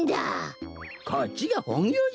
こっちがほんぎょうじゃよ。